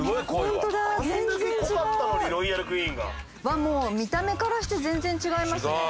うわっもう見た目からして全然違いますね。